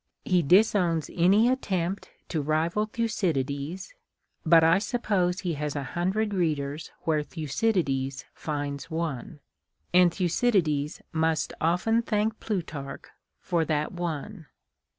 He disowns any attempt to rival Thucydides ; but I suppose he has a hundred readers where Thucydides finds one, and Thucydides must often thank Plutarch for that one.